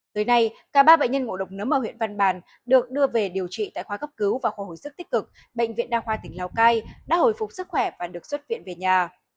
tới nay cả ba bệnh nhân ngộ độc nấm ở huyện văn bàn được đưa về điều trị tại khoa cấp cứu và khoa hồi sức tích cực bệnh viện đa khoa tỉnh lào cai đã hồi phục sức khỏe và được xuất viện về nhà